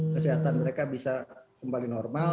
kesehatan mereka bisa kembali normal